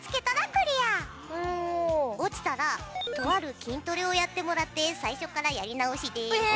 落ちたらとある筋トレをやってもらって最初からやり直しです。